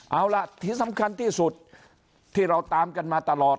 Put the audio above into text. เอาล่ะที่สำคัญที่สุดที่เราตามกันมาตลอด